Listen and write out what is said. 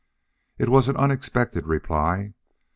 It was an unexpected reply.